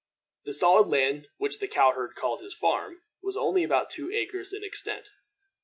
The solid land which the cow herd called his farm was only about two acres in extent.